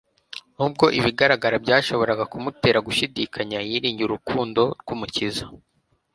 nubwo ibigaragara byashoboraga kumutera gushidikanya, yiringiye urukundo rw'Umukiza.